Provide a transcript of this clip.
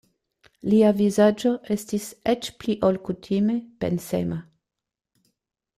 Lia vizaĝo estis eĉ pli ol kutime pensema.